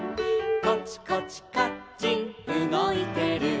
「コチコチカッチンうごいてる」